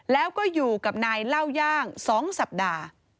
แล้วก็อยู่กับนายเล่าย่าง๒สัปดาห์